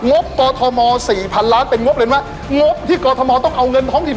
บกอทมสี่พันล้านเป็นงบเลยไหมงบที่กรทมต้องเอาเงินท้องถิ่น